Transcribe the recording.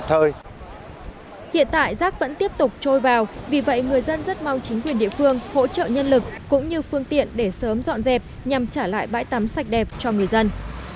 hiện tại rác vẫn tiếp tục trôi vào vì vậy người dân rất mong chính quyền địa phương hỗ trợ nhân lực cũng như phương tiện để sớm dọn dẹp nhằm trả lại bãi tắm sạch đẹp cho người dân